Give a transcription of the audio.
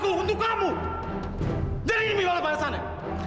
untuk kamu jadi ini bahaya sana